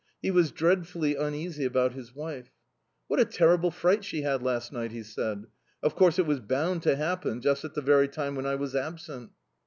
He was dreadfully uneasy about his wife. "What a terrible fright she had last night," he said. "Of course, it was bound to happen just at the very time when I was absent."